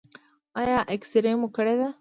ایا اکسرې مو کړې ده؟